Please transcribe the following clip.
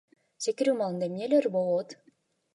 Секирүү маалында эмнелер болот?